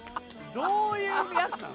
どういうやつなの？